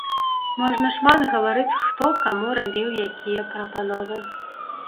Можна шмат гаварыць хто каму рабіў якія прапановы.